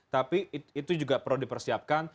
tapi itu juga perlu dipersiapkan